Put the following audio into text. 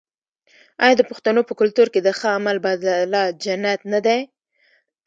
آیا د پښتنو په کلتور کې د ښه عمل بدله جنت نه دی؟